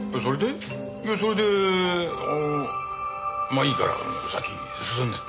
いやそれであのまあいいから先進んで。